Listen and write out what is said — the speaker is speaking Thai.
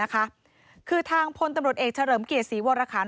คือทางพลตำรวจเอกเฉลิมเกียรติศรีวรคาร